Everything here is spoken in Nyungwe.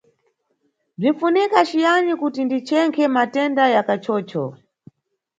Bzinʼfunika ciyani kuti ndichenkhe matenda ya kachocho?